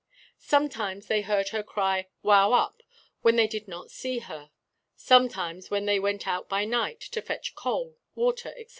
Sometimes they heard her cry, 'Wow up!' when they did not see her. Sometimes when they went out by night, to fetch coal, water, etc.